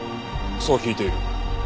そう聞いている。